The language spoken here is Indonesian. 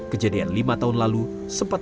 kejadian lima tahun lalu sempat